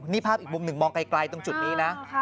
นี่ภาพอีกมุมหนึ่งมองไกลตรงจุดนี้นะ